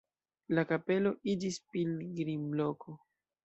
La kapelo iĝis pilgrimloko.